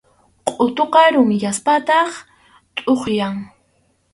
Qʼutuqa rumiyaspataq tʼuqyan.